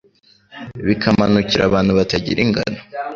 bikamanukira abantu batagira ingano,